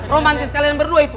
romantis kalian berdua itu